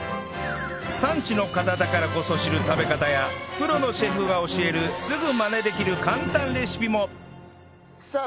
産地の方だからこそ知る食べ方やプロのシェフが教えるすぐマネできる簡単レシピもさあ